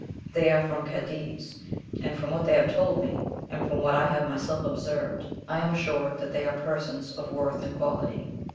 They are from Cadiz, and from what they have told me, and from what I have myself observed, I am assured that they are persons of worth and quality."